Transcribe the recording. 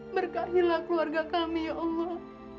berkahilah keluarga kami ya allah